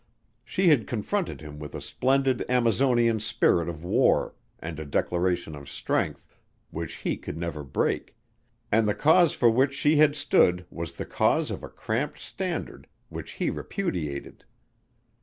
She had confronted him with a splendid Amazonian spirit of war and a declaration of strength which he could never break, and the cause for which she had stood was the cause of a cramped standard which he repudiated.